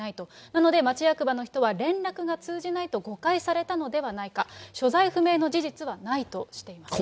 なので、町役場の人は、連絡が通じないと、誤解されたのではないか。所在不明の事実はないとしています。